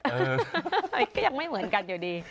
มันก็ยังไม่เหมือนกันอยู่ดี